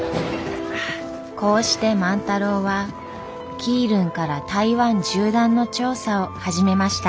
こうして万太郎は基隆から台湾縦断の調査を始めました。